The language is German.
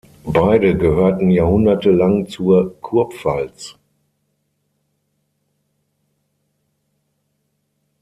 Beide gehörten jahrhundertelang zur Kurpfalz.